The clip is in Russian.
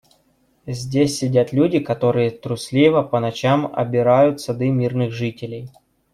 Здесь сидят люди, которые трусливо по ночам обирают сады мирных жителей.